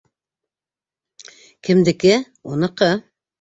Кемдеке — уныҡы.